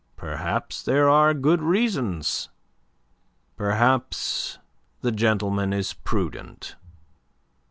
Perhaps there are good reasons. Perhaps the gentleman is prudent."